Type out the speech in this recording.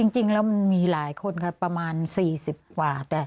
จริงแล้วมันมีหลายคนค่ะประมาณ๔๐กว่า